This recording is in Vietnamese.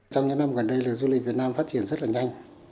trong những năm gần đây là du lịch việt nam phát triển rất là nhanh